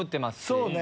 そうね。